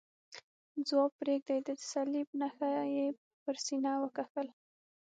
ځواب پرېږدئ، د صلیب نښه یې پر سینه وکښل.